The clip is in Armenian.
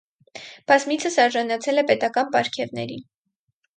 Բազմիցս արժանացել է պետական պարգևների։